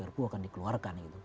perpu akan dikeluarkan